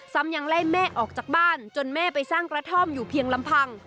ยังไล่แม่ออกจากบ้านจนแม่ไปสร้างกระท่อมอยู่เพียงลำพัง